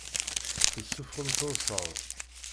Tessuffɣem tursaḍ.